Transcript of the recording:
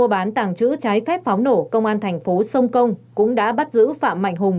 bán tàng trữ trái phép pháo nổ công an thành phố sông công cũng đã bắt giữ phạm mạnh hùng